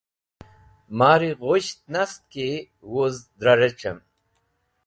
Mari ghusht nast ki wuz dra rec̃hẽm